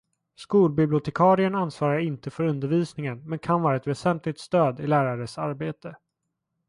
Skolbibliotekarien ansvarar inte för undervisningen men kan vara ett väsentligt stöd i lärares arbete.